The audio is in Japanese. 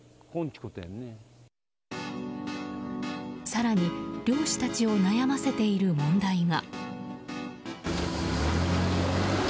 更に漁師たちを悩ませている問題が。